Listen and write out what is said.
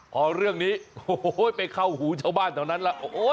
พอเรื่องนี้ไปเข้าหูเจ้าบ้านแบบนั้นแล้ว